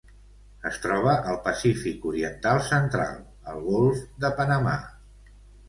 Es troba al Pacífic oriental central: el golf de Panamà.